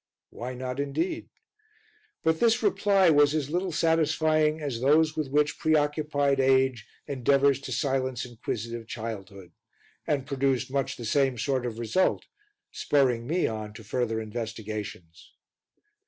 Why not indeed? But this reply was as little satisfying as those with which pre occupied age endeavours to silence inquisitive childhood, and produced much the same sort of result, spurring me on to further investigations.